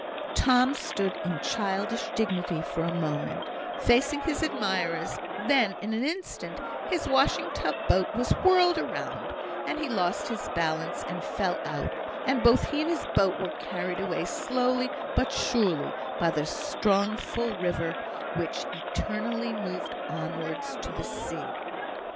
Tom stood in childish dignity for a moment, facing his admirers; then, in an instant, his washing tub boat was whirled round, and he lost his balance, and fell out; and both he and his boat were carried away slowly, but surely, by the strong full river which eternally moved onwards to the sea.